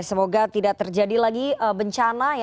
semoga tidak terjadi lagi bencana